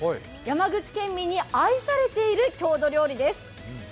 山口県民に愛されている郷土料理です。